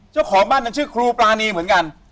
เจ้าของบ้านนั้นชื่อครูปรานีเหมือนกัน